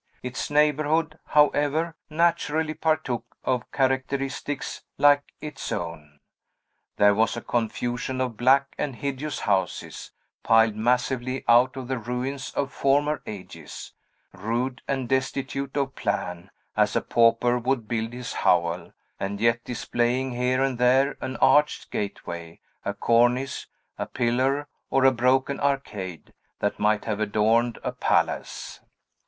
Its neighborhood, however, naturally partook of characteristics 'like its own. There was a confusion of black and hideous houses, piled massively out of the ruins of former ages; rude and destitute of plan, as a pauper would build his hovel, and yet displaying here and there an arched gateway, a cornice, a pillar, or a broken arcade, that might have adorned a palace.